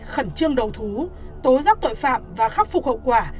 khẩn trương đầu thú tố giác tội phạm và khắc phục hậu quả